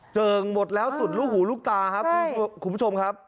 เจิงหมดแล้วสุดลูกหูลูกตาครับคุณผู้ชมครับ